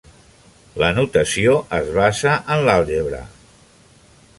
L'anotació es basa en l'àlgebra.